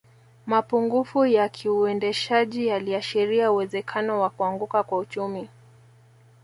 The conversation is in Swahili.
Mapungufu ya kiuendeshaji yaliashiria uwezekano wa kuanguka kwa uchumi